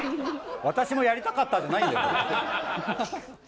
「私もやりたかった」じゃないんだよ！